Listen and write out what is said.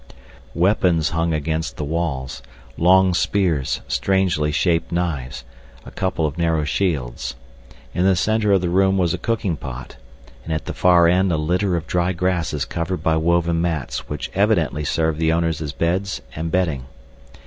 Weapons hung against the walls—long spears, strangely shaped knives, a couple of narrow shields. In the center of the room was a cooking pot, and at the far end a litter of dry grasses covered by woven mats which evidently served the owners as beds and bedding.